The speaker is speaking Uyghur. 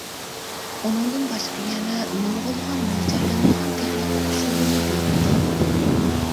ئۇنىڭدىن باشقا يەنە، نۇرغۇنلىغان مۆلچەرلىنىدىغان تېخنىكا ئۇسۇللىرىنى بېيىتتى.